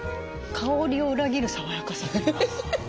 香りを裏切る爽やかさです。